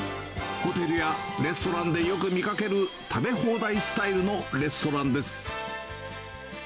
ホテルやレストランでよく見かける食べ放題スタイルのレストランです。